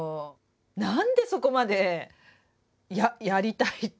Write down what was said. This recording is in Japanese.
何でそこまでやりたい